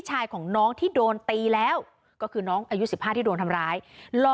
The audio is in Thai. ชายของน้องที่โดนตีแล้วก็คือน้องอายุ๑๕ที่โดนทำร้ายรอ